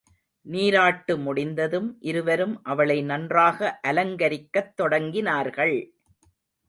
நீராட்டு முடிந்ததும் இருவரும் அவளை நன்றாக அலங்கரிக்கத் தொடங்கினார்கள்.